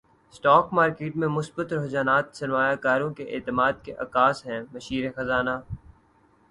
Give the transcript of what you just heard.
stock market میں مثبت رجحانات سرماریہ کاروں کے اعتماد کے عکاس ہیں مشیر خزانہ